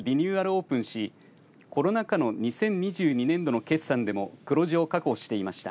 オープンしコロナ禍の２０２２年度の決算でも黒字を確保していました。